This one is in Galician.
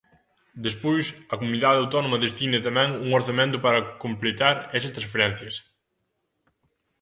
Despois, a comunidade autónoma destina tamén un orzamento para completar esas transferencias.